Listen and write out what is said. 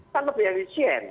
kan lebih anisien